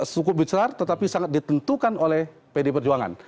cukup besar tetapi sangat ditentukan oleh pd perjuangan